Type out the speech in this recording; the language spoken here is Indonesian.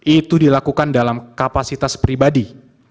itu dilakukan dalam kapasitas pribadi